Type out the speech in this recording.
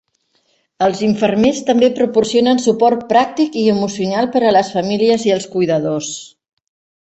Els infermers també proporcionen suport pràctic i emocional per a les famílies i els cuidadors.